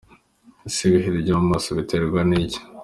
Ese ibiheri byo mu maso biterwa n’iki?.